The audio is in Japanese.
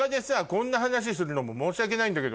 こんな話するのも申し訳ないんだけど。